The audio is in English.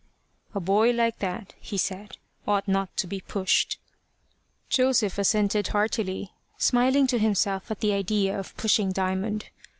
"A boy like that," he said, "ought not to be pushed." Joseph assented heartily, smiling to himself at the idea of pushing Diamond.